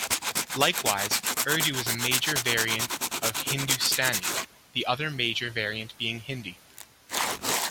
Likewise, Urdu is a major variant of Hindustani, the other major variant being Hindi.